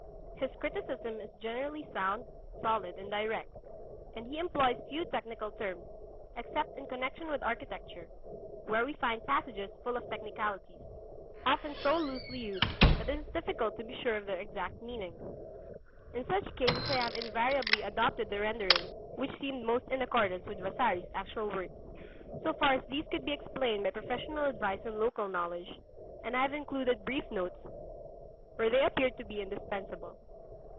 His criticism is generally sound, solid, and direct; and he employs few technical terms, except in connection with architecture, where we find passages full of technicalities, often so loosely used that it is difficult to be sure of their exact meaning. In such cases I have invariably adopted the rendering which seemed most in accordance with Vasari's actual words, so far as these could be explained by professional advice and local knowledge; and I have included brief notes where they appeared to be indispensable.